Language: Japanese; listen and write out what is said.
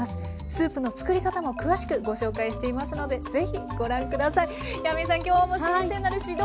スープの作り方も詳しくご紹介していますので是非ご覧下さい。